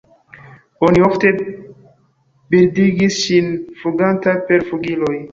Oni ofte bildigis ŝin fluganta per flugiloj.